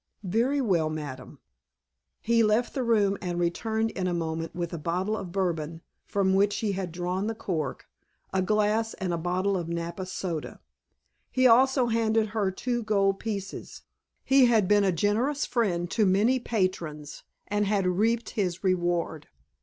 "Very well, madame." He left the room and returned in a moment with a bottle of Bourbon, from which he had drawn the cork, a glass, and a bottle of Napa Soda. He also handed her two gold pieces. He had been a generous friend to many patrons and had reaped his reward.